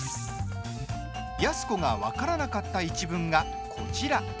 安子が分からなかった一文がこちら。